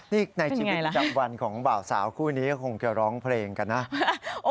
นี่ในชีวิตจับวันของเบาสาวคู่นี้ก็คงกับร้องเพลงกันนะเป็นยังไงล่ะ